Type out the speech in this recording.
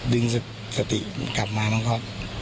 ดึงสติกลับมามันก็